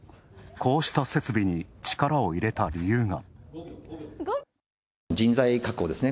こうした設備に、力を入れた理由が。